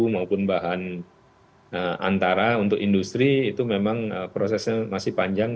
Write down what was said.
maupun bahan antara untuk industri itu memang prosesnya masih panjang